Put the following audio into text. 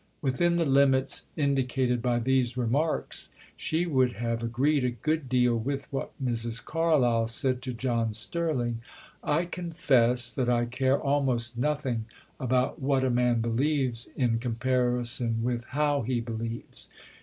Within the limits indicated by these remarks, she would have agreed a good deal with what Mrs. Carlyle said to John Sterling: "I confess that I care almost nothing about what a man believes in comparison with how he believes.